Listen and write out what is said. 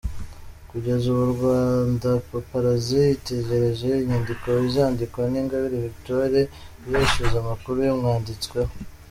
Kugeza ubu Rwandapaparazzi itegereje inyandiko izandikwa na Ingabire Victoire ibeshyuza amakuru yamwanditsweho.